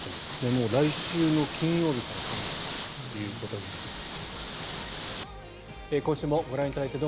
もう来週の金曜日からサミットということになります。